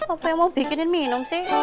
apa yang mau bikinin minum sih